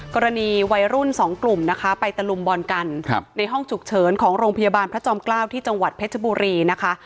กรณีวัยรุ่นสองกลุ่มนะคะไปตะลุมบอลกันในห้องฉุกเฉินของโรงพยาบาลพระจอมเกล้าที่จังหวัดเพชรบุรีนะคะ